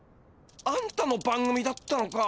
あんたの番組だったのか。